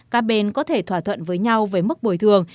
các bên có thể thỏa thuận với nhau về mức bồi thường